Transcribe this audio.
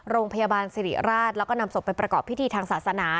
โรงพยาบาลสิริราชแล้วก็นำศพไปประกอบพิธีทางศาสนา